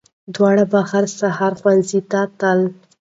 دواړه به هر سهار ښوونځي ته تلې